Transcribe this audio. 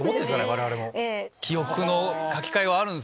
我々も。